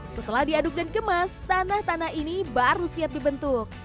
setelah diaduk dan kemas tanah tanah ini baru siap dibentuk